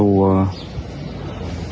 với nước ngoài